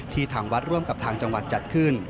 ทางวัดร่วมกับทางจังหวัดจัดขึ้น